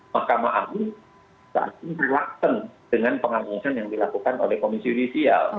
mahkamah agung saat ini reluctant dengan pengawasan yang dilakukan oleh komisi judisial